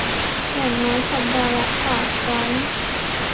อย่างน้อยสัปดาห์ละ สาม ครั้ง